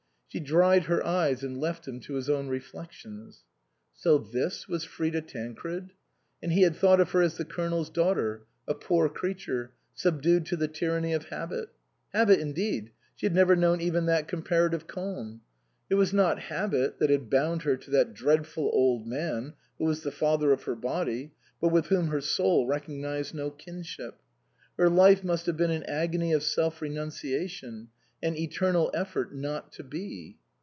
She dried her eyes and left him to his own reflections. So this was Frida Tancred? And he had thought of her as the Colonel's daughter, a poor creature, subdued to the tyranny of habit. Habit indeed ! She had never known even that comparative calm. It was not habit that had bound her to that dreadful old man, who was the father of her body, but with whom her soul recognized no kinship. Her life must have been an agony of self renunciation, an eternal effort not to be.